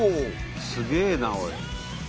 すげえなおい。